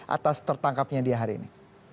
atas tertangkapnya dia hari ini